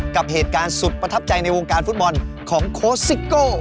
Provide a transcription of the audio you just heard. กับเหตุการณ์สุดประทับใจในวงการฟุตบอลของโค้ชซิโก้